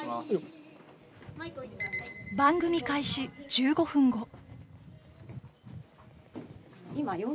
番組開始１５分後。